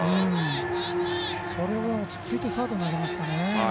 それが、落ち着いてサードに投げましたね。